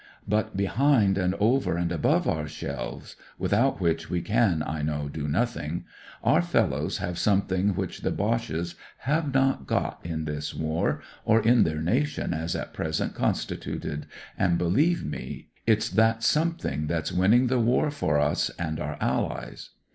But behind and over and above our shells— without which we can, I know, do nothing — our fellows have something which the Boches have not got in this war, or in their nation as at present constituted, and, beUeve me, it's that something that's winning the war for us and our Allies.